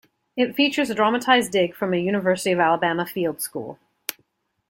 It features a dramatized dig from a University of Alabama Field School.